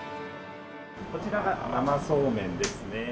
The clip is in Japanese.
こちらが生そうめんですね。